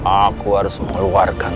aku harus mengeluarkan